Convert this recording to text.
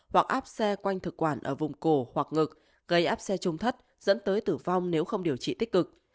hoặc áp xe quanh thực quản ở vùng cổ hoặc ngực gây áp xe trung thất dẫn tới tử vong nếu không điều trị tích cực